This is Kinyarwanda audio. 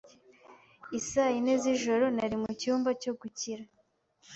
I saa yine z'ijoro, nari mu cyumba cyo gukira.